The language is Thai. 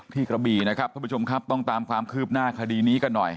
กระบี่นะครับท่านผู้ชมครับต้องตามความคืบหน้าคดีนี้กันหน่อย